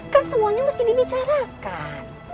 kan semuanya mesti dibicarakan